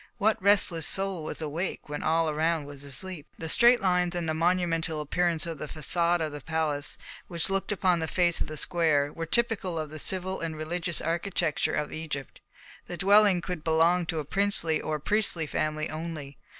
What restless soul was awake when all around was asleep? The straight lines and the monumental appearance of the façade of the palace, which looked upon the face of the square, were typical of the civil and religious architecture of Egypt. The dwelling could belong to a princely or a priestly family only.